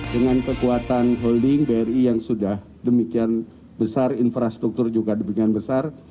dengan kekuatan holding bri yang sudah demikian besar infrastruktur juga demikian besar